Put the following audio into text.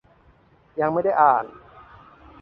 ยังไม่ได้อ่าน